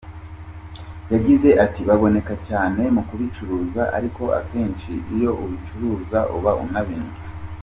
Yagize ati “Baboneka cyane mu kubicuruza ariko akenshi iyo ubicururuza uba unabinywa.